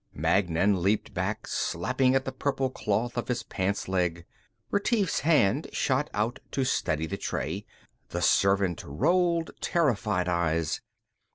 Magnan leaped back, slapping at the purple cloth of his pants leg. Retief's hand shot out to steady the tray. The servant rolled terrified eyes.